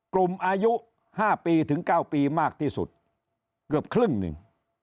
กลุ่มอายุ๕ปีถึง๙ปีมากที่สุดเกือบครึ่งหนึ่ง